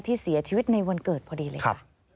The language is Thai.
ที่เสียชีวิตในวันเกิดพอดีแหละ